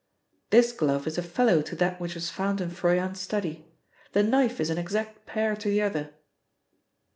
"This glove is a fellow to that which was found in Froyant's study. The knife is an exact pair to the other."